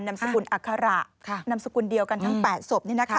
สกุลอัคระนามสกุลเดียวกันทั้ง๘ศพ